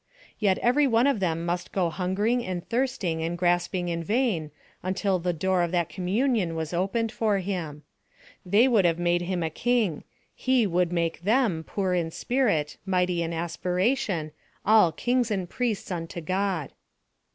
Yet every one of them must go hungering and thirsting and grasping in vain, until the door of that communion was opened for him. They would have made him a king: he would make them poor in spirit, mighty in aspiration, all kings and priests unto God.